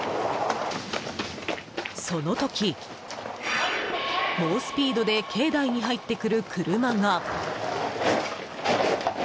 その時、猛スピードで境内に入ってくる車が。